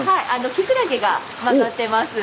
きくらげが混ざってます。